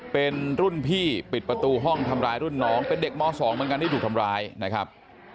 เป็นรุ่นพี่ปิดประตูห้องทำร้ายรุ่นน้องเป็นเด็กม๒เหมือนกันที่ถูกทำร้ายนะครับ